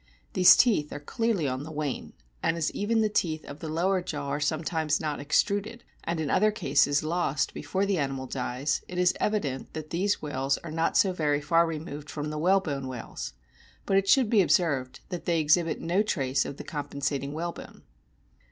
These teeth are clearly on the wane ; and as even the teeth of the lower jaw are sometimes not extruded, and in other cases lost before the animal dies, it is evident that these whales are not so very far removed from the whalebone whales ; but it should be observed that they exhibit no trace of the com pensating whalebone.